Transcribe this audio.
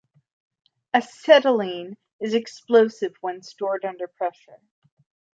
Acetylene is explosive when stored under pressure.